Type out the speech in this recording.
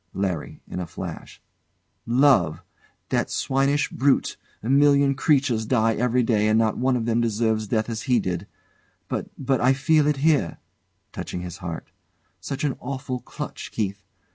LARRY. [In a flash] Love! That swinish brute! A million creatures die every day, and not one of them deserves death as he did. But but I feel it here. [Touching his heart] Such an awful clutch, Keith.